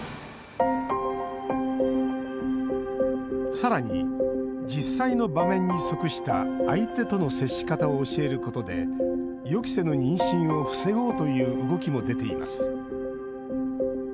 さらに、実際の場面に即した相手との接し方を教えることで予期せぬ妊娠を防ごうという動きも出ています。